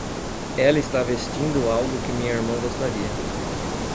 Ela está vestindo algo que minha irmã gostaria.